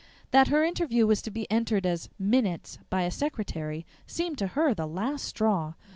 That her interview was to be entered as "minutes" by a secretary seemed to her the last straw.